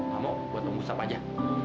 kamu gue tunggu siapa aja